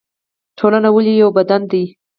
ټولنه ولې یو بدن دی؟